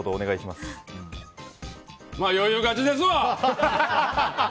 まあ、余裕勝ちですわ！